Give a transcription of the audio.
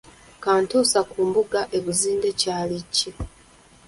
Kantuusa ku mbuga e Buzinde Kyali ki?